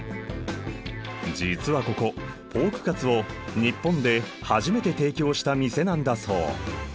実はここポークカツを日本で初めて提供した店なんだそう。